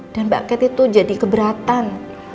dan mbak kat itu jadi keberatan